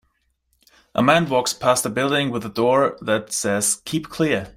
A man walks past a building with a door that says Keep Clear